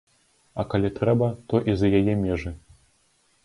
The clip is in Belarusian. А калі трэба, то і за яе межы.